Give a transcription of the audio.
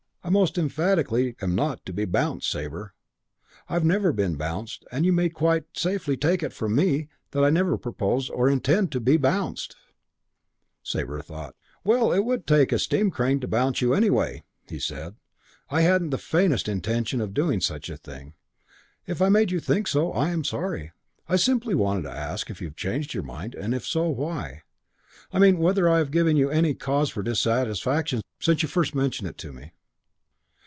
I most emphatically am not to be bounced, Sabre. I never have been bounced and you may quite safely take it from me that I never propose or intend to be bounced." Sabre thought, "Well, it would take a steam crane to bounce you, anyway." He said. "I hadn't the faintest intention of doing any such thing. If I made you think so, I'm sorry. I simply wanted to ask if you have changed your mind, and if so why. I mean, whether I have given you any cause for dissatisfaction since you prom since you first mentioned it to me."